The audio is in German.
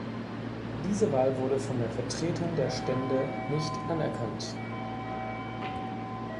Diese Wahl wurde von der Vertretern der Stände nicht anerkannt.